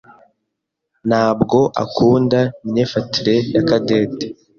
ntabwo akunda imyifatire ya Cadette.